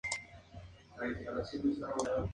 No existe ningún tren directo hasta Málaga.